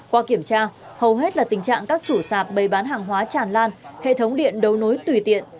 qua kiểm tra hầu hết là tình trạng các chủ sạp bày bán hàng hóa tràn lan hệ thống điện đấu nối tùy tiện